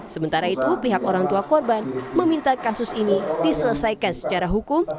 sementara itu pihak orang tua korban meminta kasus ini diselesaikan secara hukum